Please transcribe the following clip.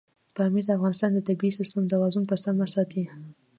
پامیر د افغانستان د طبعي سیسټم توازن په سمه ساتي.